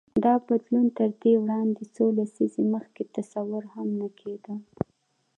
دا بدلون تر دې وړاندې څو لسیزې مخکې تصور هم نه کېده.